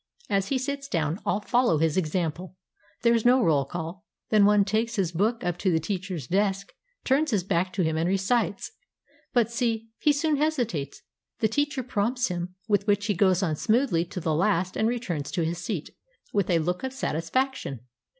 As he sits down, all fol low his example. There is no roll call. Then one takes his book up to the teacher's desk, turns his back to him and recites. But see, he soon hesitates; the teacher prompts him, with which he goes on smoothly to the last and returns to his seat with a look of satisfaction.